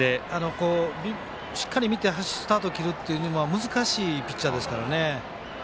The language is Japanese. しっかり見てスタート切るっていうのが難しいピッチャーですからね。